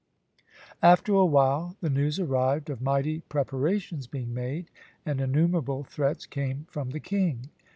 After a while, the news arrived of mighty preparations being made, and innumerable threats came from the king.